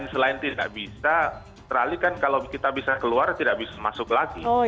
selain tidak bisa australi kan kalau kita bisa keluar tidak bisa masuk lagi